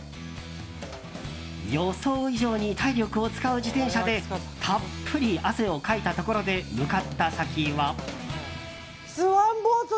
予想以上に体力を使う自転車でたっぷり汗をかいたところで向かった先は。